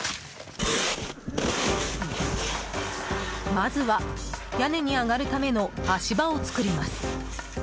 まずは屋根に上がるための足場を作ります。